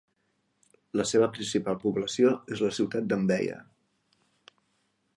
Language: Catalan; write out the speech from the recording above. La seva principal població és la ciutat de Mbeya.